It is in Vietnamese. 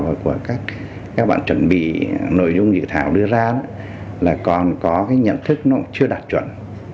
và của các bạn chuẩn bị nội dung dự thảo đưa ra là còn có cái nhận thức nó cũng chưa đạt chuẩn